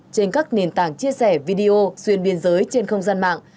trên các nền tảng chia sẻ video xuyên biên giới trên không gian mạng